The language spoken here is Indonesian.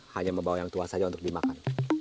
hanya membawa yang tua saja untuk dimakan